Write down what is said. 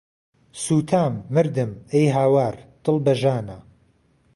سوتام، مردم، ئەی هاوار، دڵ بە ژانە